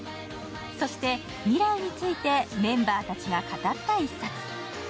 そして未来についてメンバーたちが語った一冊。